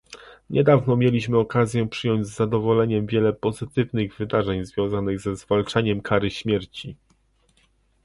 Niedawno mieliśmy okazję przyjąć z zadowoleniem wiele pozytywnych wydarzeń związanych ze zwalczaniem kary śmierci